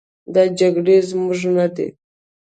دا جګړې زموږ نه دي.